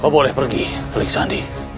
kau boleh pergi telik sandi